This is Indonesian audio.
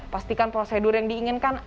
pastikan prosedur yang diinginkan aman dan cocok